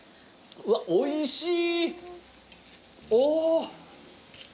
うわおいしい。